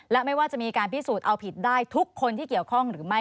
และไม่ว่าจะมีการพิสูจน์เอาผิดได้ทุกคนที่เกี่ยวข้องหรือไม่